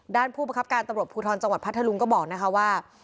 ผู้ประคับการตำรวจภูทรจังหวัดพัทธลุงก็บอกนะคะว่า